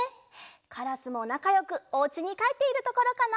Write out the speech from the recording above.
カラスもなかよくおうちにかえっているところかな？